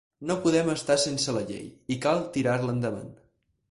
No podem estar sense la llei, i cal tirar-la endavant.